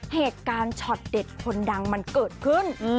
เหตุการณ์ช็อตเด็ดคนดังมันเกิดขึ้น